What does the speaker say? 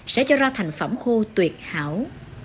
sẽ cho ra thành phẩm khô tuyệt hảo